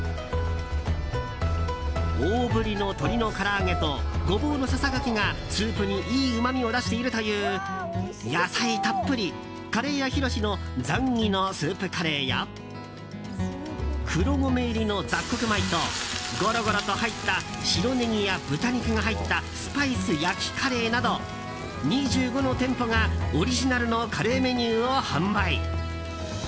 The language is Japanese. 大ぶりの鶏のから揚げとゴボウのささがきがスープにいいうまみを出しているという、野菜たっぷりかれー屋ひろしのザンギのスープカレーや黒米入りの雑穀米とごろごろと入った白ネギや豚肉が入ったスパイス焼きカレーなど２５の店舗がオリジナルのカレーメニューを販売。